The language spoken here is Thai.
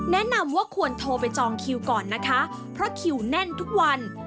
แนะนำว่าควรโทรไปจองคิวก่อนนะคะเพราะคิวแน่นทุกวัน